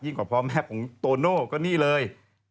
ยิ่งกว่าเพราะแมพของโตโน่ก็นี่เลย